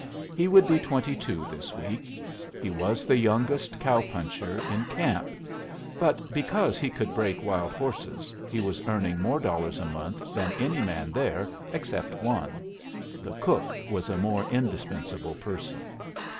He would be twenty two this week. He was the youngest cow puncher in camp. But because he could break wild horses, he was earning more dollars a month than any man there, except one. The cook was a more indispensable person.